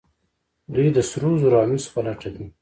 دوی د سرو زرو او مسو په لټه دي.